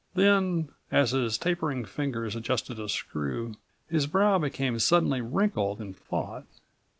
Then as his tapering fingers adjusted a screw, his brow became suddenly wrinkled in thought.